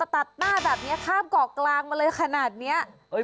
ตัดหน้าแบบนี้ข้ามเกาะกลางมาเลยขนาดนี้